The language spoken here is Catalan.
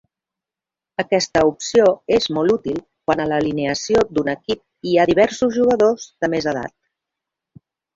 Aquesta opció és molt útil quan a l'alineació d'un equip hi ha diversos jugadors de més edat.